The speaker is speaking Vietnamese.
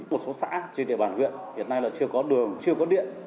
một số xã trên địa bàn huyện hiện nay là chưa có đường chưa có điện